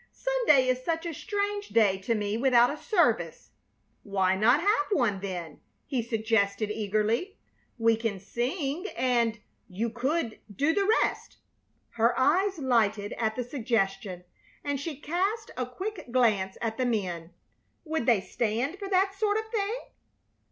Sunday is such a strange day to me without a service." "Why not have one, then?" he suggested, eagerly. "We can sing and you could do the rest!" Her eyes lighted at the suggestion, and she cast a quick glance at the men. Would they stand for that sort of thing?